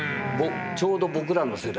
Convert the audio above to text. ちょうど僕らの世代です。